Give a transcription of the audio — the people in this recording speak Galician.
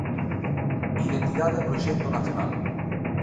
Identidade e proxecto nacional.